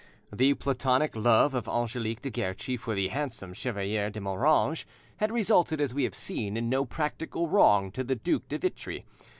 The platonic love of Angelique de Guerchi for the handsome Chevalier de Moranges had resulted, as we have seen, in no practical wrong to the Duc de Vitry.